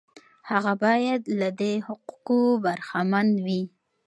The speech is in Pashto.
هغه باید له دې حقوقو برخمن وي.